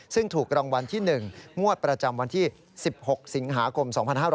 ซึ่งถูกรางวัลที่๑งวดประจำวันที่๑๖สิงหาคม๒๕๕๙